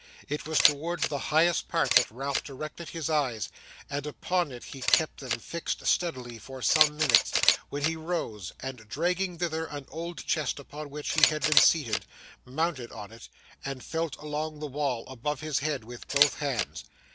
It was towards the highest part that Ralph directed his eyes; and upon it he kept them fixed steadily for some minutes, when he rose, and dragging thither an old chest upon which he had been seated, mounted on it, and felt along the wall above his head with both hands.